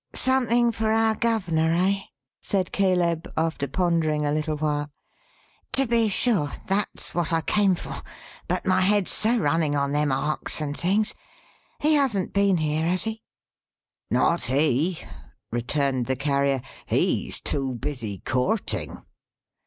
"Something for our Governor, eh?" said Caleb, after pondering a little while. "To be sure. That's what I came for; but my head's so running on them Arks and things! He hasn't been here, has he?" "Not he," returned the Carrier. "He's too busy, courting."